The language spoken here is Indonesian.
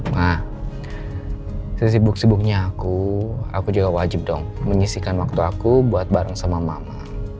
nah sesibuk sibuknya aku aku juga wajib dong menyisikan waktu aku buat bareng sama mama